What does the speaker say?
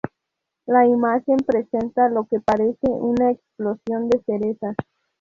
La imagen presenta lo que parece una explosión de cerezas.